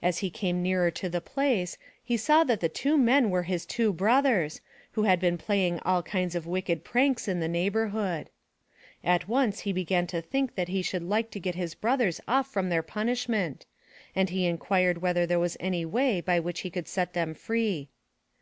As he came nearer to. the place he saw that the two men were his two brothers, who had been playing all kinds of wicked pranks in the neighborhood. At once he began to think that he should like to get his brothers off from their punishment, and he inquired whether there was any way by which he could set them free.